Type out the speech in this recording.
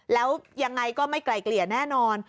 แล้วยังไงก็ไม่ไกลเกลี่ยแน่นอน